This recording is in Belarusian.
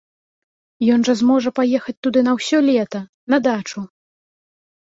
Ён жа зможа паехаць туды на ўсё лета, на дачу!